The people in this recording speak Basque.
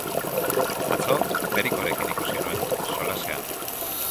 Atzo Perikorekin ikusi nuen solasean.